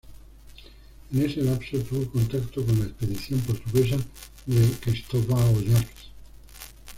En ese lapso tuvo contacto con la expedición portuguesa de Cristóvão Jacques.